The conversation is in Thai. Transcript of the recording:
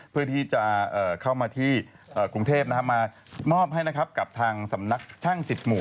เพื่อที่จะเข้ามาที่กรุงเทพฯมามอบให้กับทางสำนักช่างสิทธิ์หมู่